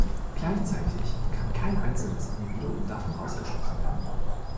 Gleichzeitig kann kein einzelnes Individuum davon ausgeschlossen werden.